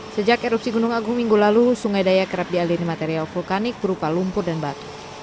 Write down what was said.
sejak erupsi gunung agung minggu lalu sungai daya kerap dialiri material vulkanik berupa lumpur dan batu